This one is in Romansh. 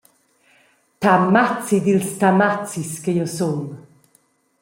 «Tamazi dils tamazis che jeu sun.